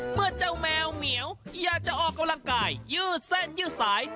เมื่อเจ้าแมวเหมียวอยากจะออกกำลังกายยืดเส้นยืดสาย